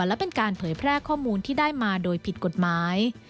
และเป็นการเผยแพร่ข้อมูลที่ได้มาโดยผิดกฎหมาย